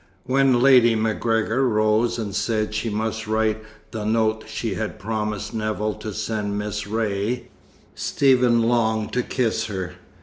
When Lady MacGregor rose and said she must write the note she had promised Nevill to send Miss Ray, Stephen longed to kiss her.